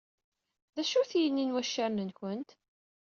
D acu-t yini n waccaren-nwent?